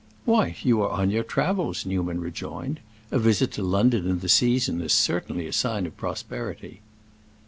"Why, you are on your travels," Newman rejoined. "A visit to London in the season is certainly a sign of prosperity."